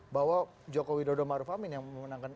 bahwa jokowi dodo maruf amin yang memenangkan